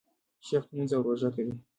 شیخ لمونځ او روژه کوي.